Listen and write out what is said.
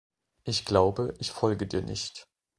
Ich glaube, ich folge dir nicht.